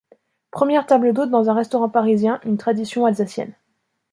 Première table d’hôte dans un restaurant parisien, une tradition alsacienne.